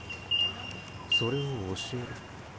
それを教えろ。